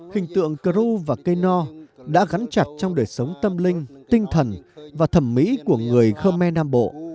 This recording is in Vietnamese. hình tượng cờ ru và cây no đã gắn chặt trong đời sống tâm linh tinh thần và thẩm mỹ của người khmer nam bộ